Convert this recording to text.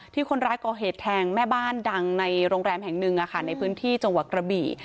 คนร้ายก่อเหตุแทงแม่บ้านดังในโรงแรมแห่งหนึ่งในพื้นที่จังหวัดกระบี่